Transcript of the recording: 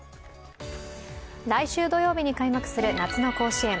来週土曜日に開幕する夏の甲子園。